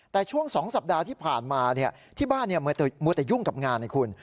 แต่ช่วง๒สัปดาห์ที่ผ่านมาที่บ้านมัวแต่ยุ่งกับงานให้คุณ